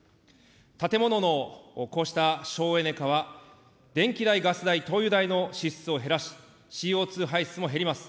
建物のこうした省エネ化は、電気代、ガス代、灯油代の支出を減らし、ＣＯ２排出も減ります。